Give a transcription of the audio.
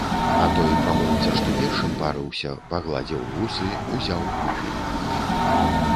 А той прамоўца, што першым парыўся, пагладзіў вусы, узяў куфель.